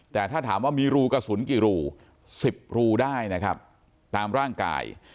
แต่ถ้าถามว่ามีรูกระสุนกี่รู๑๐รูได้นะครับตามร่างกาย